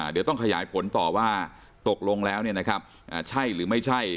เดี๋ยวต้องขยายผลต่อว่าตกลงแล้วใช่หรือไม่ใช่